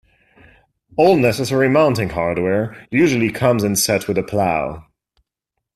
All necessary mounting hardware usually comes in set with a plow.